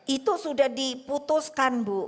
itu sudah diputuskan bu